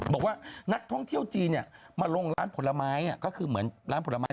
บอกว่านักท่องเที่ยวจีนมาลงล้านพลไม้